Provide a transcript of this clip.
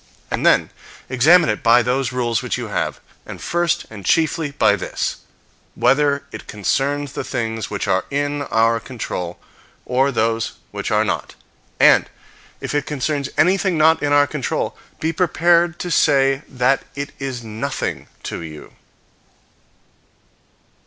And then examine it by those rules which you have, and first, and chiefly, by this: whether it concerns the things which are in our own control, or those which are not; and, if it concerns anything not in our control, be prepared to say that it is nothing to you.